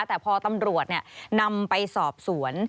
แต่พอตำรวจนำไปสอบสวน